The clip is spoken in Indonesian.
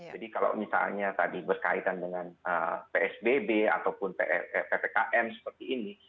jadi kalau misalnya tadi berkaitan dengan psbb ataupun ppkm seperti ini